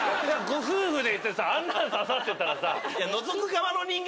ご夫婦で行ってさあんなのささってたらさ。